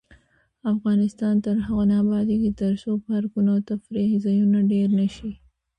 افغانستان تر هغو نه ابادیږي، ترڅو پارکونه او تفریح ځایونه ډیر نشي.